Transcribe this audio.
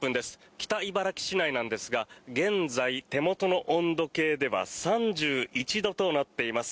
北茨城市内なんですが現在、手元の温度計では３１度となっています。